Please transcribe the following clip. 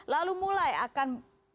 lalu mulai akan